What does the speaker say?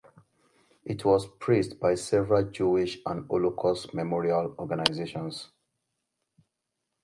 It was praised by several Jewish and Holocaust memorial organizations.